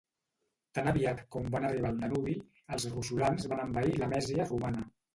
Tan aviat com van arribar al Danubi, els roxolans van envair la Mèsia romana.